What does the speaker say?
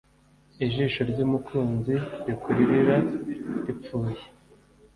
Ijisho ry’umukunzi rikuririra ripfuye